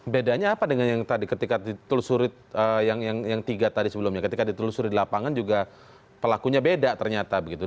bedanya apa dengan yang tadi ketika ditelusuri yang tiga tadi sebelumnya ketika ditelusuri di lapangan juga pelakunya beda ternyata begitu